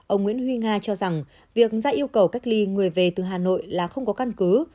ông nguyễn huy nga cho rằng việc ra yêu cầu cách ly người về từ hà nội là không có căn cứ